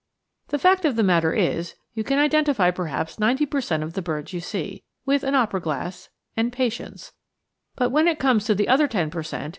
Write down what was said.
The fact of the matter is, you can identify perhaps ninety per cent. of the birds you see, with an opera glass and patience; but when it comes to the other ten per cent.